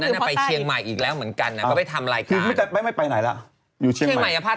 เมื่อไหร่จริงนะคือก็ต้องฝากไว้นิดนึงละกัน